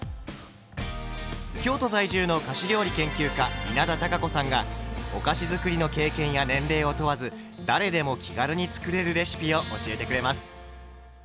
京都在住の菓子料理研究家稲田多佳子さんがお菓子づくりの経験や年齢を問わず誰でも気軽に作れるレシピを教えてくれます。